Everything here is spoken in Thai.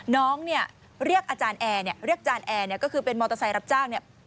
น้องเรียกอาจารย์แอร์เรียกอาจารย์แอร์ก็คือเป็นมอเตอร์ไซร์รับจ้าง